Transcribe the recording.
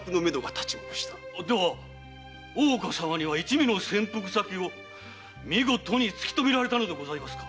では大岡様は一味の潜伏先を見事突き止められたのですか？